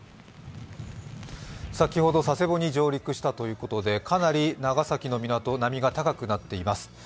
先ほど、佐世保に上陸したということで、かなり長崎の港、波が高くなっています。